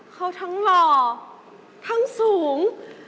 เขาทั้งหล่อทั้งสูง